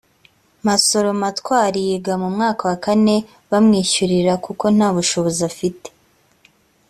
masoro matwari yiga mu mwaka wa kane bamwishyurira kuko nta bushobozi afite